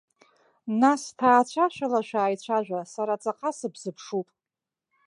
Нас, ҭаацәашәала шәааицәажәа, сара ҵаҟа сыбзыԥшуп!